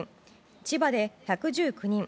千葉で１１９人